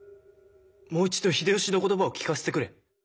もう一度秀吉の言葉を聞かせてくれ。